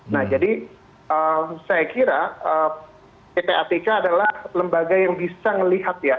nah jadi saya kira ppatk adalah lembaga yang bisa melihat ya